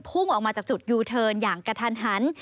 พุ่งออกมาจากจุดยูเทิร์นอย่างกระทันหัน